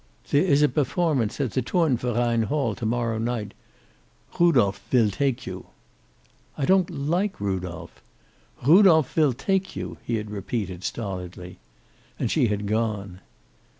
"There is a performance at the Turnverein Hall to morrow night. Rudolph vill take you." "I don't like Rudolph." "Rudolph viii take you," he had repeated, stolidly. And she had gone.